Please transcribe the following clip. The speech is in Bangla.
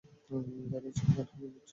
বানি, চুপ করো, কি করছ।